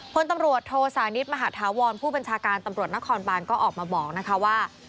พลตำรวจโทสานิทมหาธาวรผู้บัญชาการตำรวจนครบานก็ออกมาบอกนะคะว่า